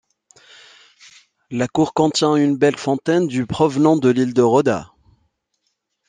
La cour contient une belle fontaine du provenant de l'île de Roda.